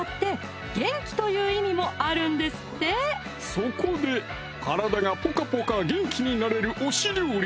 そこで体がぽかぽか元気になれる推し料理